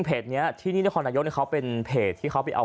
เพจนี้ที่นี่นครนายกเนี่ยเขาเป็นเพจที่เขาไปเอา